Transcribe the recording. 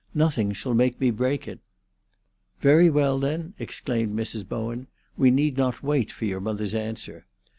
"Nothing shall make me break it." "Very well, then!" exclaimed Mrs. Bowen. "We need not wait for your mother's answer.